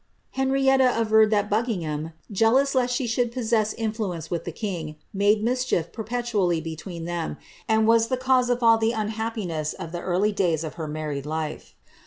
'' Henrietta averred that Bucking ham, jealous lest she should possess influence with the king, made mis chief perpetually between them, and was the cause of all the unhappiness of the early days of her married life.